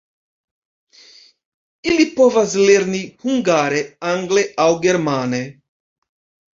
Ili povas lerni hungare, angle aŭ germane.